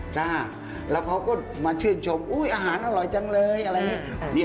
จ้าแล้วเขาก็มาชื่นชมอุ๊ยอาหารอร่อยจังเลยอะไรอย่างนี้